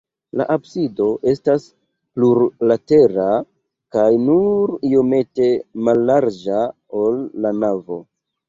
La absido estas plurlatera kaj nur iomete mallarĝa, ol la navo.